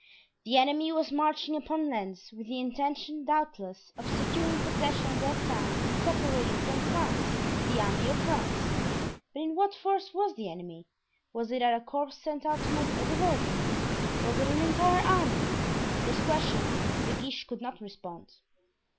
The enemy was marching upon Lens, with the intention, doubtless, of securing possession of that town and separating from France the army of France. But in what force was the enemy? Was it a corps sent out to make a diversion? Was it an entire army? To this question De Guiche could not respond.